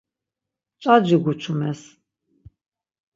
Mç̌aci guçumes.